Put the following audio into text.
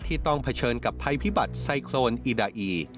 ต้องเผชิญกับภัยพิบัติไซโครนอีดาอี